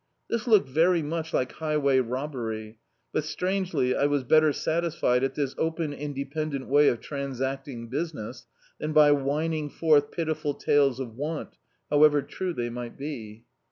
This looked very much like highway robbery, but strangely, I was better satisfied at this open inde pendent way of transacting business than by whining forth pitiful tales of want, however true they mi^t be.